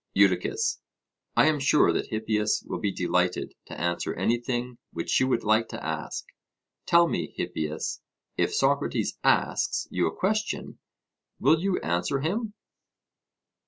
EUDICUS: I am sure that Hippias will be delighted to answer anything which you would like to ask; tell me, Hippias, if Socrates asks you a question, will you answer him?